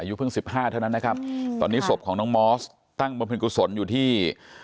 เพิ่ง๑๕เท่านั้นนะครับตอนนี้ศพของน้องมอสตั้งบรรพิกุศลอยู่ที่